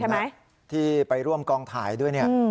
ที่ไปร่วมกองถ่ายด้วยเนี่ย